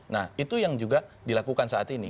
nah itu yang juga dilakukan saat ini